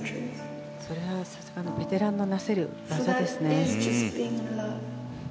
それは、さすがベテランがなせる業ですね。